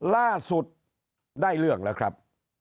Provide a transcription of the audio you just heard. ล่าสุดได้เรื่องแล้วครับ